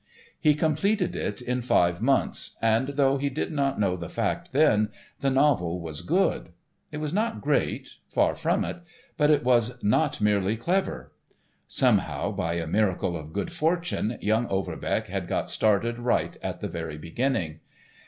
He completed it in five months, and, though he did not know the fact then, the novel was good. It was not great—far from it, but it was not merely clever. Somehow, by a miracle of good fortune, young Overbeck had got started right at the very beginning.